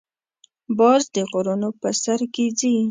باز د غرونو په سر کې ځې